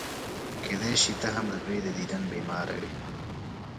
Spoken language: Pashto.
کېدای شي ته هم د دوی د دیدن بیماره وې.